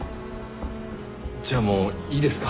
じゃあもういいですか？